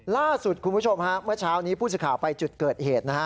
ล่าสุดคุณผู้ชมเมื่อเช้านี้พูดสุข่าวไปจุดเกิดเหตุ